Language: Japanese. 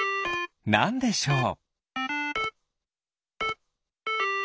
なんでしょう？